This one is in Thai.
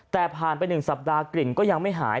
แต่ผ่านไป๑สัปดาห์กลิ่นก็ยังไม่หาย